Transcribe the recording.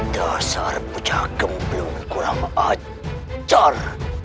dasar budakmu belum kurang ajar